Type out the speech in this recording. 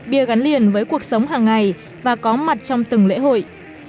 bia gắn liền với cuộc sống hàng ngày và có mặt trong từng lễ hội